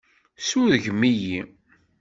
Surgem-iyi!